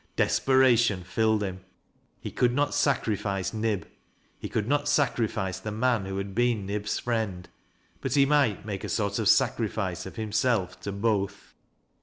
Desperation filled him. He could not sacrifice Nib — ^he could not sacrifice the man who had been Nib'fl friend ; but ho might make a sort of sacrifice of himself to both.